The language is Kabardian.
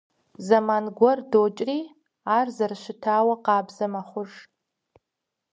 Зэман гуэр докӀри, ар зэрыщытауэ къабзэ мэхъуж.